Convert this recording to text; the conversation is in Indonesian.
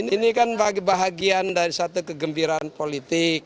ini kan bahagian dari satu kegembiraan politik